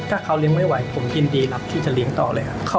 ถ้าเขาเลี้ยงไม่ไหวผมยินดีรับที่จะเลี้ยงต่อเลยครับ